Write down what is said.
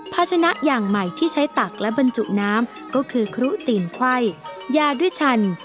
ภาชนะอย่างใหม่ที่ใช้ตักและบรรจุน้ำก็คือครุตีนไขว้ยาด้วยชัน